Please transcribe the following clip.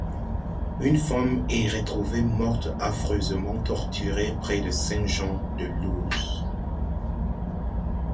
Une femme est retrouvée morte affreusement torturée près de Saint-Jean-de-Luz.